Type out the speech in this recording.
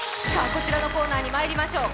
こちらのコーナーにまいりましょう。